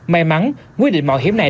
may mắn quyết định mọi hiểm này